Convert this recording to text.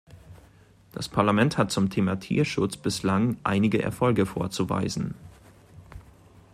Das Parlament hat zum Thema Tierschutz bislang einige Erfolge vorzuweisen.